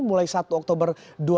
mulai satu oktober dua ribu enam belas